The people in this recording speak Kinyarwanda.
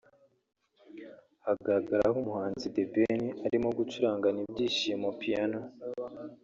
hagaragaraho umuhanzi The Ben arimo gucurangana ibyishimo piano